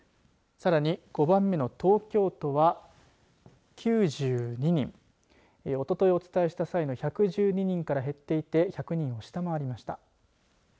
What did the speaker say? さらに、５番目の東京都は９２人おとといお伝えした際の１１２人から減っていて１００人を下回りました。